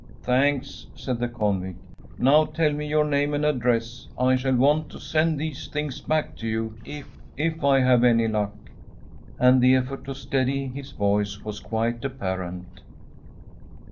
‚ÄúThanks,‚ÄĚ said the convict. “Now, tell me your name and address; I shall want to send these things back to you if if I have any luck.‚ÄĚ And the effort to steady his voice was quite apparent.